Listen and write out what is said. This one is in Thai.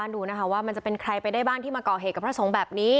ดูนะค่ะว่าค่ะมันจะเป็นใครไปได้บ้างแป้งที่มาเกาะเหกกับพระสงฆ์แบบนี้